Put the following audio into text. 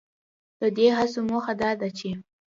ددې هڅو موخه دا ده چې